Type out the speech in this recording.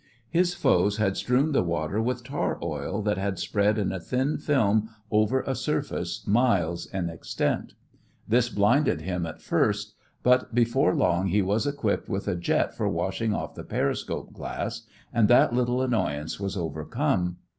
His foes had strewn the water with tar oil that had spread in a thin film over a surface miles in extent. This blinded him at first, but before long he was equipped with a jet for washing off the periscope glass and that little annoyance was overcome.